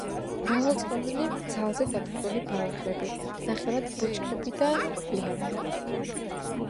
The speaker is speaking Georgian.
მრავალწლოვანი, ძალზე დატოტვილი ბალახები, ნახევრად ბუჩქები და ლიანებია.